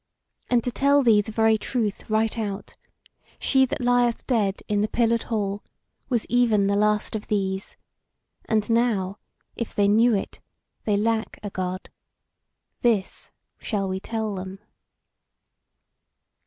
And to tell thee the very truth right out, she that lieth dead in the Pillared Hall was even the last of these; and now, if they knew it, they lack a God. This shall we tell them."